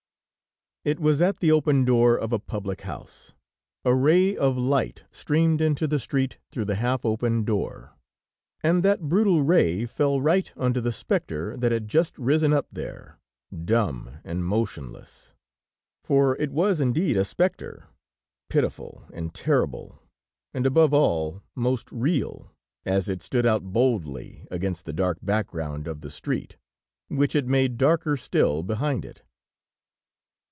It was at the open door of a public house. A ray of light streamed into the street through the half open door, and that brutal ray fell right onto the specter that had just risen up there, dumb and motionless. For it was indeed a specter, pitiful and terrible, and, above all, most real, as it stood out boldly against the dark background of the street, which it made darker still behind it!